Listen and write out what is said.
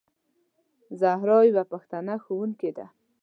زهرا یوه پښتنه ښوونکې ده.